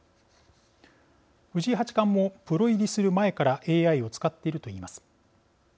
藤井八冠もプロ入りする前からＡＩを使っていると言います。